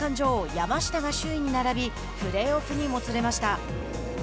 山下が首位に並びプレーオフにもつれました。